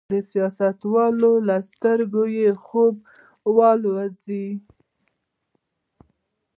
سیاستوالو له سترګو یې خوب والوځاوه.